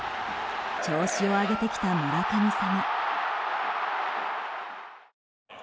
調子を上げてきた村神様。